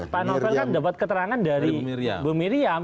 pak novel kan dapat keterangan dari bu miriam